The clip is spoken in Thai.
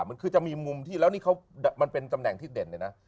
มันคือจะมีมุมที่แล้วนี่เขามันเป็นตำแหน่งที่เด่นเลยนะ